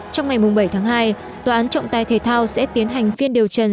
trong ngày bảy tháng hai tòa án trọng tài thể thao sẽ tiến hành phiên điều trần